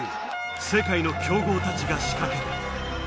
世界の強豪たちが仕掛ける。